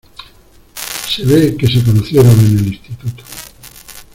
Se ve que se conocieron en el instituto.